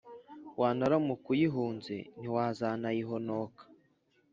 wanaramuka uyihunze, ntiwazayihonoka